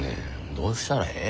どうしたらええ？